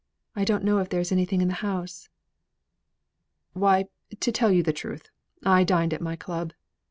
I don't know if there is anything in the house." "Why, to tell you the truth, I dined at my club.